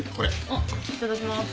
あっいただきます。